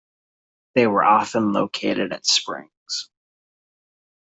They were often located at springs.